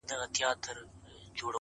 هره تجربه د انسان شکل بیا جوړوي؛